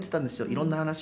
いろんな話。